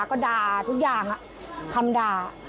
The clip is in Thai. ก็ด่าทุกอย่างคำด่า